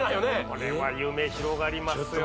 これは夢広がりますよ